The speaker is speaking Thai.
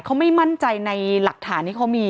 เขาไม่มั่นใจในหลักฐานที่เขามี